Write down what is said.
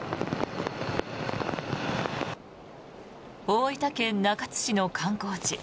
大分県中津市の観光地